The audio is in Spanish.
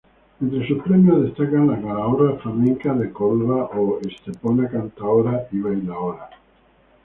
Entre sus premios destacan Calahorra Flamenca de Córdoba o Estepona Cantaora y Bailaora.